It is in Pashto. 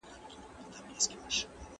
زه به اوبه پاکې کړې وي!.